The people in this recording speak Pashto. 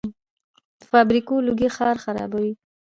د فابریکو لوګي ښار خرابوي.